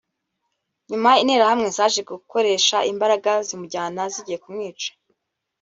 nyuma interahamwe zaje gukoresha imbaraga zimujyana zigiye kumwica